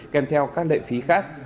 kèm theo các lệ phí khác